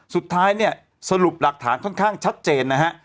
สุดท้ายเนี่ยสรุปหลักฐานค่อนข้างชัดเจนนะฮะ